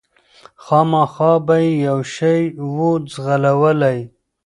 خامخا به یې یو شی وو ځغلولی